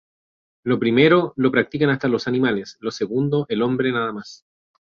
Lo primero, lo practican hasta los animales; lo segundo, el hombre nada más.